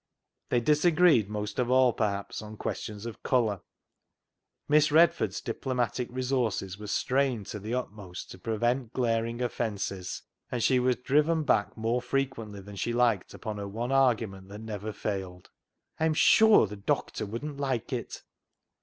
They disagreed most of all, perhaps, on questions of colour. Miss Redford's diplomatic resources were strained to the utmost to pre VAULTING AMBITION 247 vent glaring offences, and she was driven back more frequently than she liked upon her one argument that never failed, " I'm sure the doctor wouldn't like it."